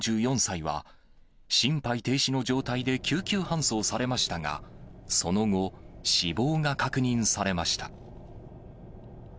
４４歳は、心肺停止の状態で救急搬送されましたが、その後、死亡が確認されました。